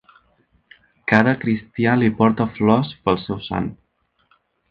Cada cristià li porta flors pel seu sant.